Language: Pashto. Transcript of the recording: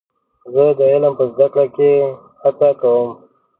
زه د علم په زده کړه کې نه هڅه کوم.